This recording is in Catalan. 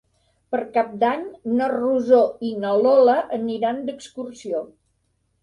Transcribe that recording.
Per Cap d'Any na Rosó i na Lola aniran d'excursió.